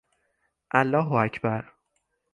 الله اکبر